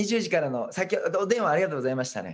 さっきお電話ありがとうございましたね。